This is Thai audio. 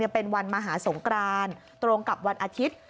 เป็นวันมหาสงกรานตรงกับวันอาทิตย์